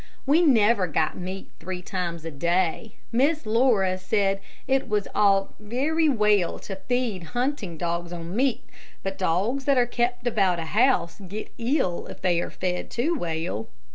We never got meat three times a day. Miss Laura said it was all very well to feed hunting dogs on meat, but dogs that are kept about a house get ill if they are fed too well.